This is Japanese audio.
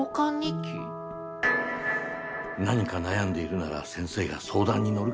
何か悩んでいるなら先生が相談にのるから。